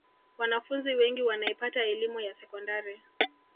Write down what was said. wanafunzi wengi wanaipata elimu ya sekondari